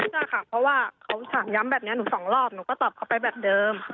ใช่ค่ะเพราะว่าเขาถามย้ำแบบนี้หนูสองรอบหนูก็ตอบเขาไปแบบเดิม